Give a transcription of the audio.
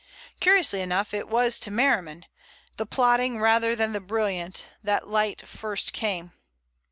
Curiously enough it was to Merriman, the plodding rather than the brilliant, that light first came.